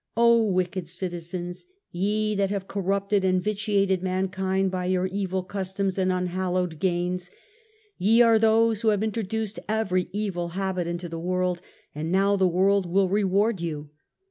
wicked citizens ! Ye that have corrupted and vitiated mankind by your evil customs and unhallowed gains ! Ye are those who have introduced every evil habit into the world, and now the world will reward you